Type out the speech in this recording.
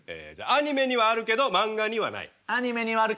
アニメにはあるけど漫画にはない。